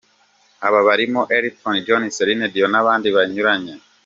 Abo barimo Elton John, Celine Dion n’abandi banyuranye.